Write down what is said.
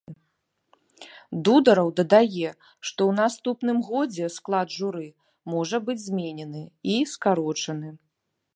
Дудараў дадае, што ў наступным годзе склад журы можа быць зменены і скарочаны.